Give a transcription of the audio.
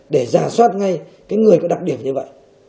để giả soát ngay cái người có đặc điểm như vậy